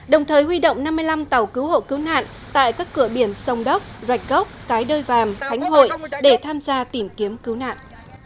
đồng thời huy động năm mươi năm tàu cứu hộ cứu nạn tại các cửa biển sông đốc rạch gốc cái đôi vàm khánh hội để tham gia tìm kiếm cứu nạn